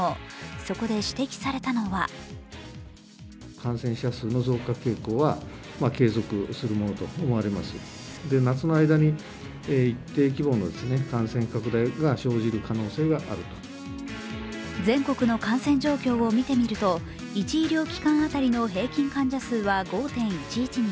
そこで指摘されたのは全国の感染状況を見てみると１医療機関当たりの平均患者数は５．１１人。